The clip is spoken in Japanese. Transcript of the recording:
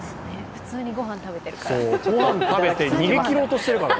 普通に御飯食べてるから。